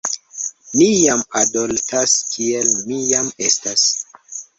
"Ni jam adoltas kiel ni jam estas."